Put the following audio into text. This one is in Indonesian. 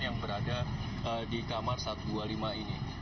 yang berada di kamar satu ratus dua puluh lima ini